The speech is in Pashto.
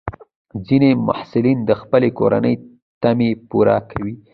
ځینې محصلین د خپلې کورنۍ تمې پوره کوي.